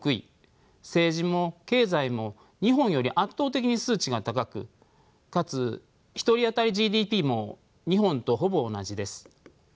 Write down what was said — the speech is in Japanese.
政治も経済も日本より圧倒的に数値が高くかつ１人当たりＧＤＰも日本とほぼ同じです。